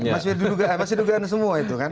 masih dugaan semua itu kan